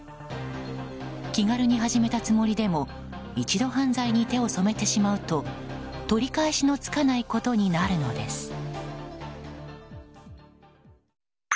気軽に始めたつもりでも一度、犯罪に手を染めてしまうと取り返しのつかないことになるのです。